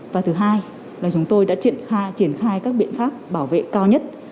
và thứ hai là chúng tôi đã triển khai các biện pháp bảo vệ cao nhất